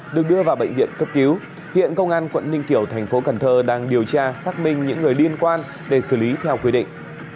được đưa vào bệnh viện cấp cứu hiện công an quận ninh kiều thành phố cần thơ đang điều tra xác minh những người liên quan để xử lý theo quy định